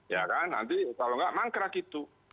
ya kan nanti kalau nggak mangkrak itu